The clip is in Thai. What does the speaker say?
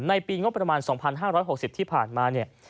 ปีงบประมาณ๒๕๖๐ที่ผ่านมาเนี่ย